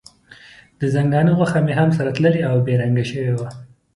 د ځنګانه غوښه مې هم سره تللې او بې رنګه شوې وه.